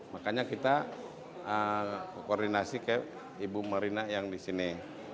makanya kita koordinasi ke ibu marina yang di sini